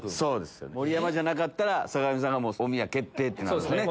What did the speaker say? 盛山じゃなかったら坂上さんがおみや決定ってなるもんね。